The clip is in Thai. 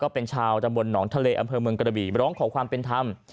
เป็นชาวตำบลหนองทะเลอำเภอเมืองกระบี่ร้องขอความเป็นธรรม